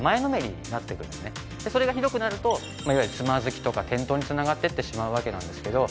それがひどくなるといわゆるつまずきとか転倒に繋がっていってしまうわけなんですけど。